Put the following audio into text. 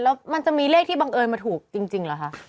แล้วมันจะมีเลขที่บังเอิญมาถูกจริงเหรอคะ